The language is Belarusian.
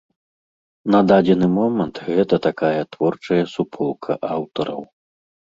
На дадзены момант гэта такая творчая суполка аўтараў.